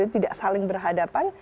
tidak saling berhadapan